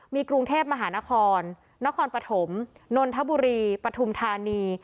มีกรุงเทพมหานครนครปฐมนนทบุรีปฐุมธานี